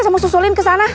saya mau susulin kesana